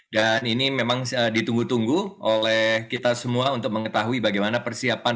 dan ini memang ditunggu tunggu oleh kita semua untuk mengetahui bagaimana persiapan